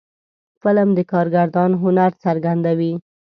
فلم د کارگردان هنر څرګندوي